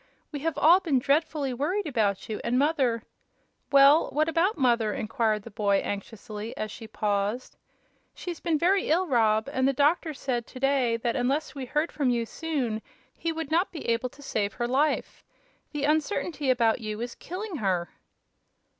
We have all been dreadfully worried about you, and mother " "Well, what about mother?" inquired the boy, anxiously, as she paused. "She's been very ill, Rob; and the doctor said to day that unless we heard from you soon he would not be able to save her life. The uncertainty about you is killing her."